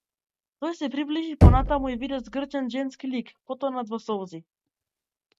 Тој се приближи понатаму и виде згрчен женски лик, потонат во солзи.